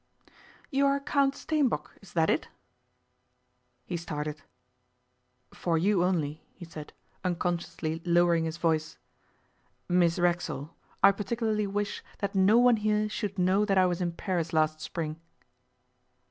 'You are Count Steenbock, is that it?' He started. 'For you only,' he said, unconsciously lowering his voice. 'Miss Racksole, I particularly wish that no one here should know that I was in Paris last spring.